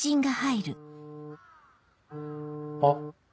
あっ。